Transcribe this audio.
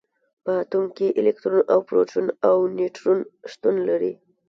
په اتوم کې الکترون او پروټون او نیوټرون شتون لري.